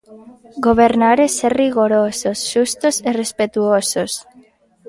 Gobernar é ser rigorosos, xustos e respectuosos.